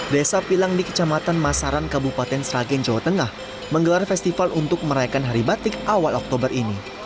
desa pilang di kecamatan masaran kabupaten sragen jawa tengah menggelar festival untuk merayakan hari batik awal oktober ini